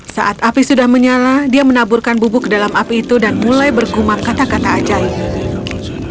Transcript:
saat api sudah menyala dia menaburkan bubuk ke dalam api itu dan mulai bergumap kata kata ajaib